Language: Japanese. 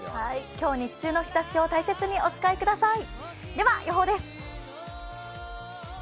今日日中の日ざしを大切にお使いください。